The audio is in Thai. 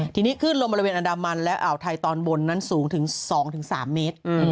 ทีนี้ขึ้นลมบริเวณอันดามันและอ่าวไทยตอนบนนั้นสูงถึง๒๓เมตร